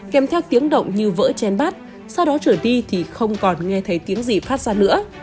kèm theo tiếng động như vỡ chen bát sau đó trở đi thì không còn nghe thấy tiếng gì phát ra nữa